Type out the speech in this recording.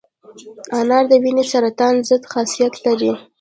انار د وینې سرطان ضد خاصیت لري.